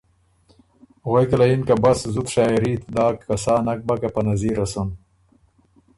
غوېکه له یِن که ”بس، زُت شاعېري ت داک که سا نک بۀ که په نظیره سُن“